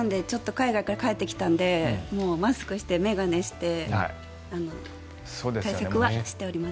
海外から帰ってきたのでマスクして眼鏡して対策はしております。